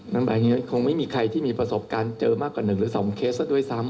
แบบนี้คงไม่มีใครที่มีประสบการณ์เจอมากกว่า๑หรือ๒เคสซะด้วยซ้ำ